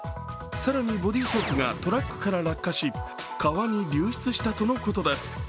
更にボディーソープがトラックから落下し川に流出したとのことです。